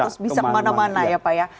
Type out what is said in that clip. rp tiga lima ratus bisa kemana mana ya pak ya